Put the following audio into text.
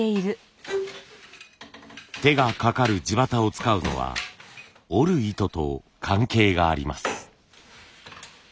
手がかかる地機を使うのは織る糸と関係があります。